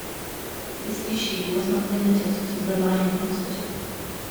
This issue was not limited to the Lying-In-Hospital.